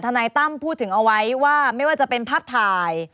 นายตั้มพูดถึงเอาไว้ว่าไม่ว่าจะเป็นภาพถ่าย